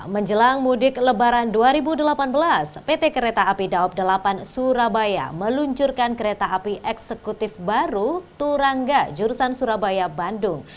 menjelang mudik lebaran dua ribu delapan belas pt kereta api daob delapan surabaya meluncurkan kereta api eksekutif baru turangga jurusan surabaya bandung